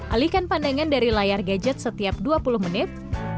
alihkan pandangan dari layar gadget setiap dua puluh menit